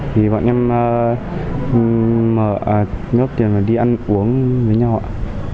thì bọn em mở nước tiền và đi ăn uống với nhau ạ